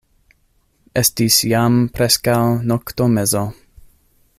Estis jam preskaŭ noktomezo.